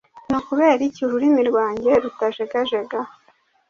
ni ukubera iki ururimi rwanjye rutajegajega?